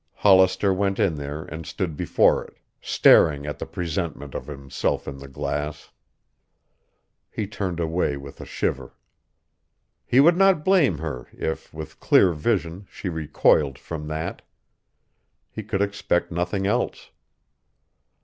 Hollister went in there and stood before it, staring at the presentment of himself in the glass. He turned away with a shiver. He would not blame her if with clear vision she recoiled from that. He could expect nothing else.